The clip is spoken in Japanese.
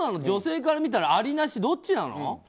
女性から見たらあり、なしどっちなの？